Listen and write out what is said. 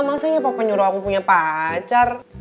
masanya papa nyuruh aku punya pacar